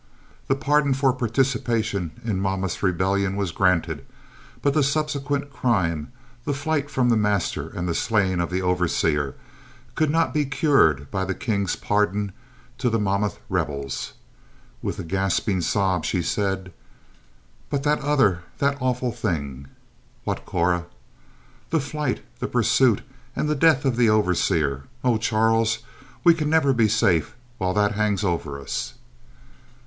The pardon for participation in Monmouth's rebellion was granted; but the subsequent crime the flight from the master and the slaying of the overseer could not be cured by the king's pardon to the Monmouth rebels. With a gasping sob, she said: "But that other that awful thing?" "What, Cora?" "The flight, the pursuit and the death of the overseer. Oh, Charles, we can never be safe, while that hangs over us."